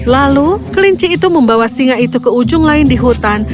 lalu kelinci itu membawa singa itu ke ujung lain di hutan